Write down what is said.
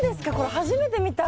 初めて見た。